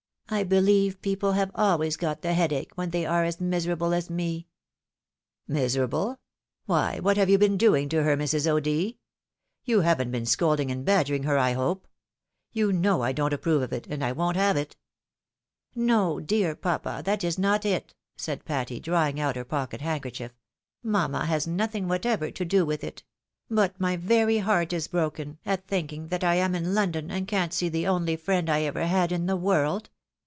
" I believe people have always got the head ache when they are as miserable as me !" "Miserable! why what have you been doing to her, Mrs. O'D. ? You haven't been scolding and badgering her, I hope ? You know I don't approve of it, and I won't have it." " No, dear papa, that is not it," said Patty, drawing out her pocket handkerchief, " mamma has nothing whatever to do with it ; but my very heart is broken, at thinking that I am in London, and can't see the only friend I ever had in the world.